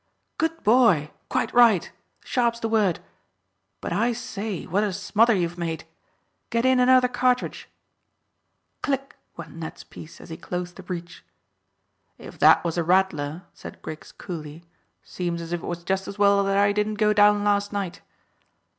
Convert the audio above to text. "Good boy! Quite right! Sharp's the word. But I say, what a smother you've made. Get in another cartridge." Click! went Ned's piece as he closed the breech. "If that was a rattler," said Griggs coolly, "seems as if it was just as well that I didn't go down last night."